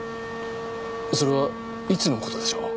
それはいつのことでしょう？